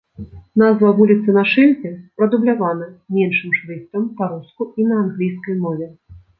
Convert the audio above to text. Назва вуліцы на шыльдзе прадублявана меншым шрыфтам па-руску і на англійскай мове.